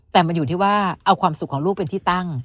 แต่มันอยู่ที่ว่าเอาความสุขของลูกเป็นที่ตั้ง